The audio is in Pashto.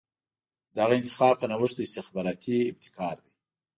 د دغه انتخاب په نوښت استخباراتي ابتکار دی.